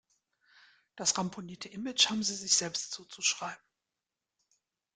Das ramponierte Image haben sie sich selbst zuzuschreiben.